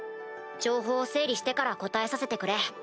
情報を整理してから答えさせてくれ。